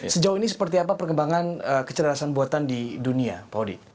sejauh ini seperti apa perkembangan kecerdasan buatan di dunia pak odi